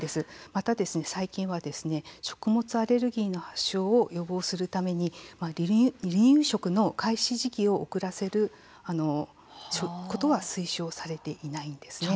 また最近は食物アレルギーの発症を予防するために離乳食の開始時期を遅らせることは推奨されていないんですね。